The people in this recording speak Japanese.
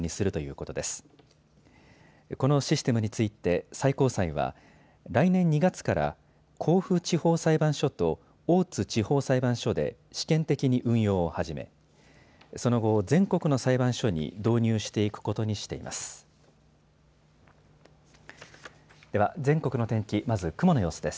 このシステムについて最高裁は来年２月から甲府地方裁判所と大津地方裁判所で試験的に運用を始め、その後、全国の裁判所に導入していくことにしています。